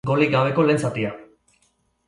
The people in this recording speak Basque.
Golik gabeko lehen zatia.